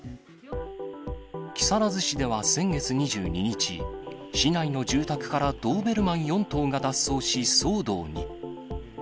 木更津市では先月２２日、市内の住宅からドーベルマン４頭が脱走し、騒動に。